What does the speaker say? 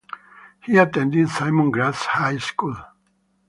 He attended Simon Gratz High School.